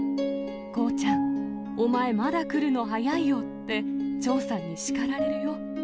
工ちゃん、お前まだ来るの早いよって、長さんに叱られるよ。